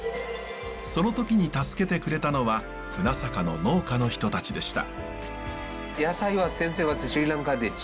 その時に助けてくれたのは船坂の農家の人たちでした。